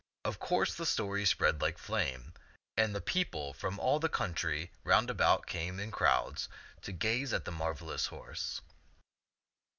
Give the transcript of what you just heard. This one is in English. Of course the story spread like flame, and the peo ple from all the country roundabout came in crowds to gaze at the marvelous horse.